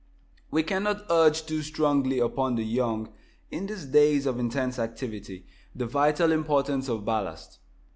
We cannot urge too strongly upon the young, in these days of intense activity, the vital importance of ballast.